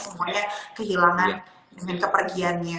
semuanya kehilangan dan kepergiannya